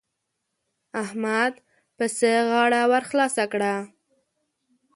احمد پسه غاړه ور خلاصه کړه.